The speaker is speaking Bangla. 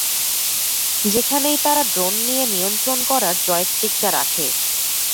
সেখানেই তারা ড্রোন নিয়ন্ত্রণ করার জয়স্টিকটা রাখে।